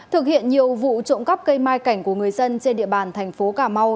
thực hiện nhiều vụ trộm cắp cây mai cảnh của người dân trên địa bàn thành phố cà mau